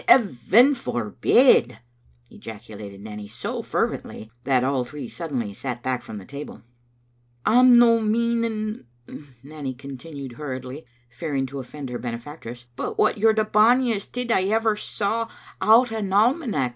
"Heaven forbid!" ejaculated Nanny, so fervently that all three suddenly sat back from the table. " I'm no meaning," Nanny continued hurriedly, fear ing to offend her benefactress, "but what you're the bonniest tid I ever saw out o' an almanack.